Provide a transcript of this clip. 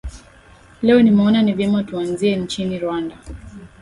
leo nimeona ni vyema tuanzie nchini rwanda